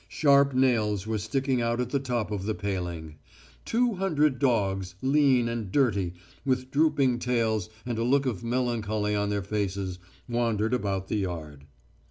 Sharp nails were sticking out at the top of the paling. Two hundred dogs, lean and dirty, with drooping tails and a look of melancholy on their faces, wandered about the yard.